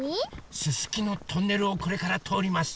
すすきのトンネルをこれからとおります。